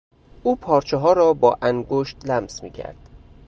او پارچهها را با انگشت لمس میکرد.